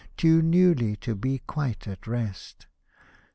Too newly to be quite at rest.